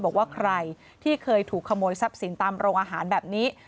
บอกว่าใครที่เคยถูกขโมยทรัพย์สินตามโรงอาหารแบบนี้